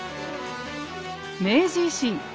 明治維新